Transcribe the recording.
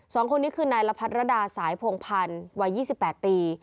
สองคนนี้คือนายรพรดาสายโผงพันวัย๒๘ปี